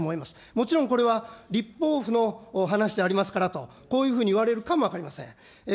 もちろんこれは、立法府の話でありますからと、こういうふうにいわれるかも分かりません。